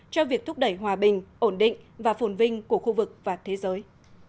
cho việc thúc đẩy hòa bình ổn định và phồn vinh của khu vực và thế giới